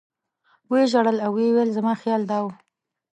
و یې ژړل او ویې ویل زما خیال دا و.